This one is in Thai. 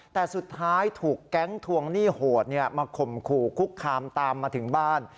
แต่สุดท้ายถูกแก๊งทวงหนี้โหดมาข่มขู่คุกคามตามมาถึงบ้าน